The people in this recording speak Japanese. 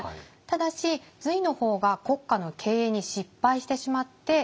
ただし隋の方が国家の経営に失敗してしまって。